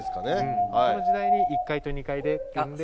その時代に１階と２階で呼んで。